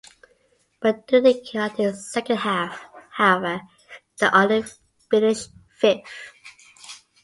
But due to a chaotic second half, however, they only finished fifth.